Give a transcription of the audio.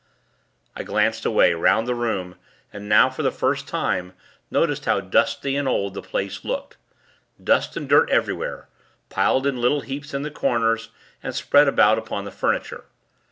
I glanced away, 'round the room, and now, for the first time, noticed how dusty and old the place looked. Dust and dirt everywhere; piled in little heaps in the corners, and spread about upon the furniture.